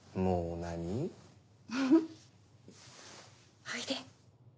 おいで！